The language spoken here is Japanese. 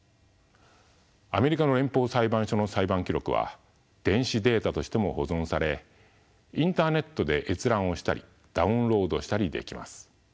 アメリカの連邦裁判所の裁判記録は電子データとしても保存されインターネットで閲覧をしたりダウンロードしたりできます。